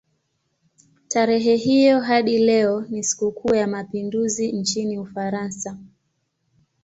Tarehe hiyo hadi leo ni sikukuu ya mapinduzi nchini Ufaransa.